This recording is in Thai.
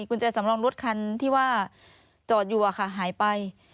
กุญแจสำรองรถคันที่ว่าจอดอยู่หายไป